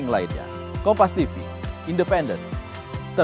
gak ada yang berbeda ya